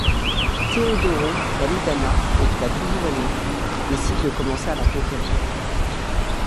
Teodoro, l'ami d'Ana et qui l'a toujours aimée, décide de commencer à la conquérir.